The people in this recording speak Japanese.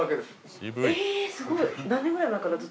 えぇすごい。